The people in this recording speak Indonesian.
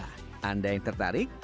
nah anda yang tertarik